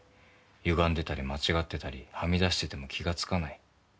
「ゆがんでたり間違ってたりはみ出してても気が付かない」